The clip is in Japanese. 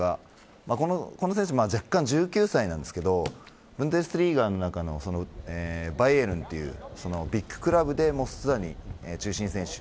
この選手は弱冠１９歳なんですけどブンデスリーガの中のバイエルンというビッグクラブですでに中心選手。